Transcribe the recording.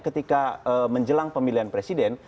ketika menjelang pemilihan presiden